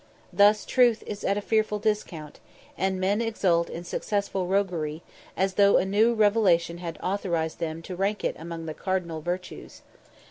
Thus truth is at a fearful discount, and men exult in successful roguery, as though a new revelation had authorised them to rank it among the cardinal virtues.